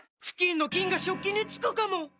フキンの菌が食器につくかも⁉